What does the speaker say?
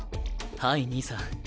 はい兄さん。